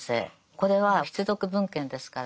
これは必読文献ですから。